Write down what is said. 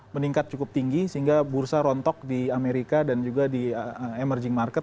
meningkat cukup tinggi sehingga bursa rontok di amerika dan juga di emerging market